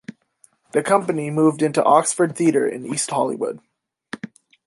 The company moved into the Oxford Theatre in East Hollywood.